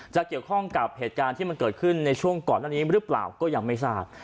จะเกี่ยวข้องกับเหตุการณ์ที่มันเกิดขึ้นในช่วงก่อนอันนี้หรือเปล่าก็ยังไม่ทราบ